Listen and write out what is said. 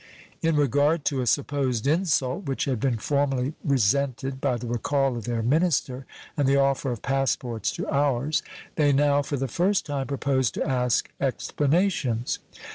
In regard to a supposed insult which had been formally resented by the recall of their minister and the offer of passports to ours, they now for the first time proposed to ask explanations.